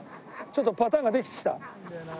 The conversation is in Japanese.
ちょっとパターンができてきた。